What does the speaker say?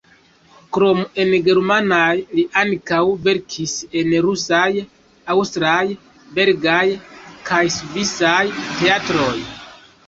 Krom en germanaj li ankaŭ verkis en rusaj, aŭstraj, belgaj kaj svisaj teatroj.